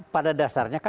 pada dasarnya kan